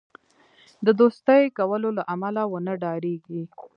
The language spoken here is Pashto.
د دوستی کولو له امله ونه ډاریږي.